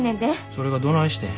それがどないしてん。